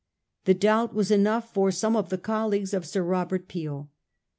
The doubt was enough for some of the colleagues of Sir Robert Peel.